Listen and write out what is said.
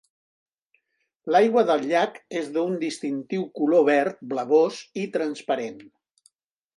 L'aigua del llac és d'un distintiu color verd blavós i transparent.